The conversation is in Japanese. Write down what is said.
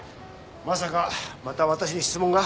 まさかまた私に質問が？